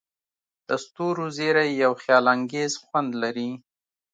د ستورو زیرۍ یو خیالانګیز خوند لري.